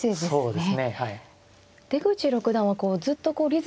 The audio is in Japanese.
そうですね。